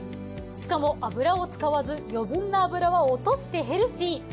しかも油を使わず余分な脂は落としてヘルシー。